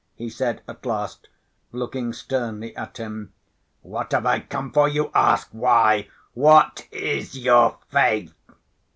he said at last, looking sternly at him. "What have I come for? You ask why? What is your faith?"